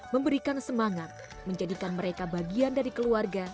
memberikan semangat menjadikan mereka bagian dari keluarga